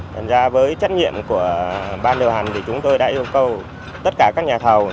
thành ra với trách nhiệm của ban điều hành thì chúng tôi đã yêu cầu tất cả các nhà thầu